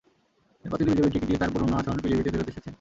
এবার তিনি বিজেপির টিকিট নিয়ে তাঁর পুরোনো আসন পিলিভিতে ফেরত এসেছেন।